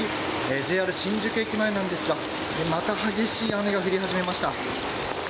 ＪＲ新宿駅前なんですがまた激しい雨が降り始めました。